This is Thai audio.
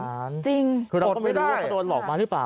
จริงคือเราก็ไม่รู้ว่าเขาโดนหลอกมาหรือเปล่า